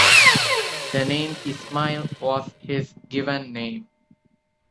The name Ismail was his given name.